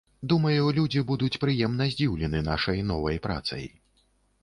Думаю, людзі будуць прыемна здзіўлены нашай новай працай.